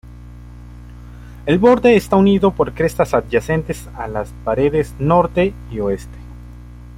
El borde está unido por crestas adyacentes a las paredes norte y oeste.